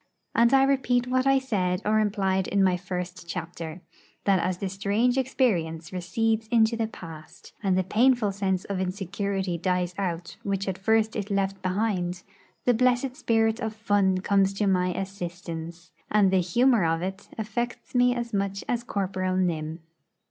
And I repeat what I said or implied in my first chapter, that as the strange experience recedes into the past, and the painful sense of insecurity dies out which at first it left behind, the blessed spirit of fun comes to my assistance, and the 'humour of it' affects me as much as Corporal Nym.